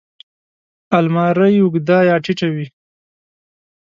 الماري اوږده یا ټیټه وي